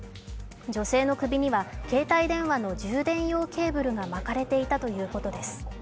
女性の首には携帯電話の充電用ケーブルが巻かれていたということです。